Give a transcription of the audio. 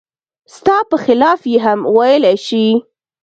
ستا په خلاف یې هم ویلای شي.